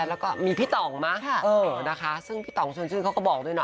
แล้วก็มีพี่ต่องมั้ยนะคะซึ่งพี่ต่องชวนชื่นเขาก็บอกด้วยนะ